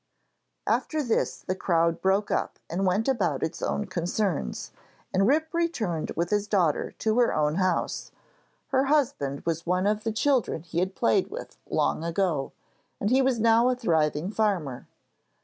After this the crowd broke up and went about its own concerns, and Rip returned with his daughter to her own house. Her husband was one of the children he had played with long ago, and he was now a thriving farmer.